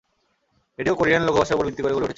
এটিও কোরিয়ান লোক ভাষার উপর ভিত্তি করে গড়ে উঠেছিল।